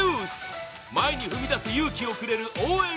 前に踏み出す勇気をくれる応援